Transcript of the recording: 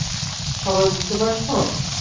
সবাই বুঝতে পারছো?